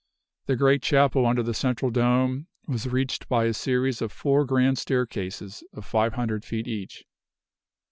The great chapel under the central dome was reached by a series of four grand staircases of five hundred feet each.